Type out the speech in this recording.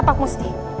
tpa pak musti